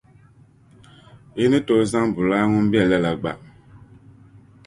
Yi ni tooi zaŋ bulaa ŋun be lala gba.